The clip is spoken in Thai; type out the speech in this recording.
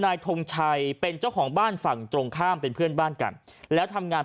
ทงชัยเป็นเจ้าของบ้านฝั่งตรงข้ามเป็นเพื่อนบ้านกันแล้วทำงาน